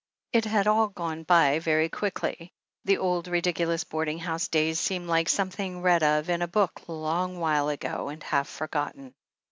It had all gone by very quickly. The old, ridiculous boarding house days seemed like something read of in a book a long while ago, and half forgotten.